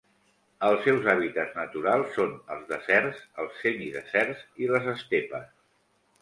Els seus hàbitats naturals són els deserts, els semideserts i les estepes.